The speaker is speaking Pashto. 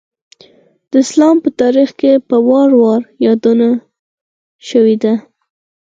د اسلام په تاریخ کې په وار وار یادونه شوېده.